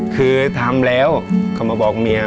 คือทำละก็มาบอกเมีย